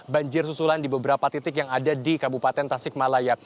banjir susulan di beberapa titik yang ada di kabupaten tasik malaya